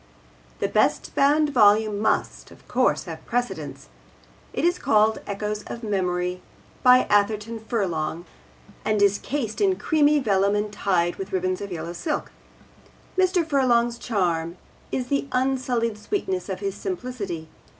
The best bound volume must, of course, have precedence. It is called Echoes of Memory, by Atherton Furlong, and is cased in creamy vellum and tied with ribbons of yellow silk. Mr. Furlong's charm is the unsullied sweetness of his simplicity.